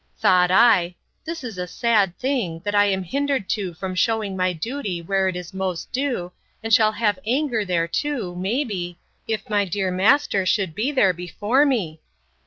—Thought I, this is a sad thing, that I am hindered too from shewing my duty where it is most due, and shall have anger there too, may be, if my dear master should be there before me!